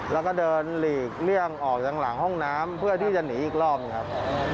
แล้วก็เดินหลีกเลี่ยงออกจากหลังห้องน้ำเพื่อที่จะหนีอีกรอบหนึ่งครับ